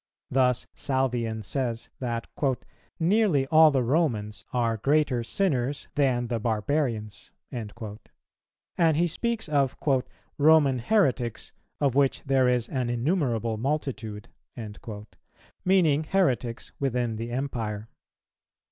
Thus Salvian says, that "nearly all the Romans are greater sinners than the barbarians;"[280:1] and he speaks of "Roman heretics, of which there is an innumerable multitude,"[280:2] meaning heretics within the Empire.